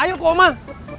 ayo ke rumah